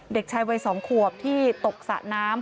เด็กชายวัย๒ขวบที่ตกสระน้ำ